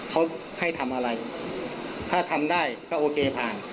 เขาให้ทำอะไรถ้าทำได้ก็โอเคผ่าน